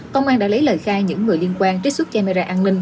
công an đã lấy lời khai những người liên quan trích xuất camera an ninh